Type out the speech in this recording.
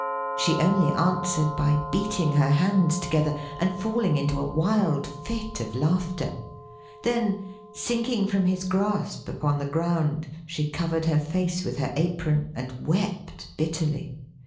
She only answered by beating her hands together, and falling into a wild fit of laughter. Then, sinking from his grasp upon the ground, she covered her face with her apron, and wept bitterly.